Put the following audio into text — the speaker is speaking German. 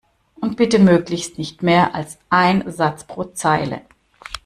Und bitte möglichst nicht mehr als ein Satz pro Zeile!